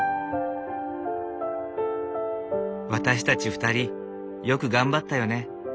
「私たち２人よく頑張ったよね」。